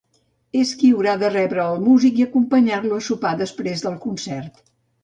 És qui haurà de rebre el músic i acompanyar-lo a sopar després del concert